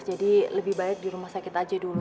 jadi lebih baik di rumah sakit aja dulu